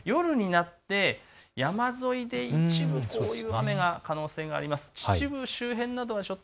夜になって山沿いで一部、こういう雨が可能性があります。